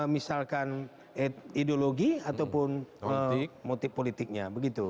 misalkan ideologi ataupun motif politiknya begitu